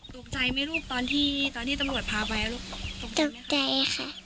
ตกใจไหมลูกตอนที่ตอนที่ตำรวจพาไปลูกตกใจค่ะ